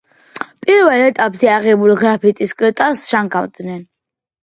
პირველ ეტაპზე აღებულ გრაფიტის კრისტალს ჟანგავენ.